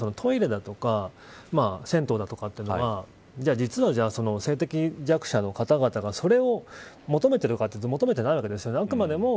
あとトイレだとか銭湯とかというのは実は、性的弱者の方々がそれを求めてるかというと求めてないわけです。